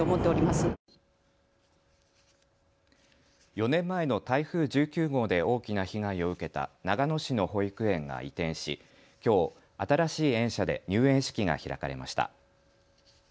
４年前の台風１９号で大きな被害を受けた長野市の保育園が移転しきょう、新しい園舎で入園式が開かれました。